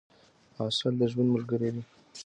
عسل د ژوند ملګری کئ.